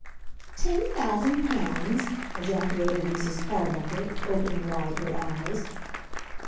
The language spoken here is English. "Ten thousand pounds!" ejaculated Mrs. Carbuncle, opening wide her eyes.